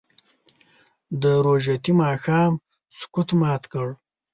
د روژتي ماښام سکوت مات کړه